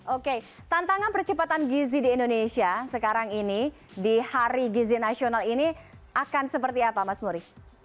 oke tantangan percepatan gizi di indonesia sekarang ini di hari gizi nasional ini akan seperti apa mas muri